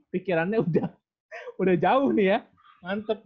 pikirannya udah jauh nih ya mantep nih